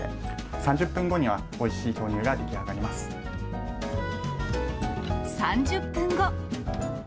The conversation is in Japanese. ３０分後にはおいしい豆乳が出来３０分後。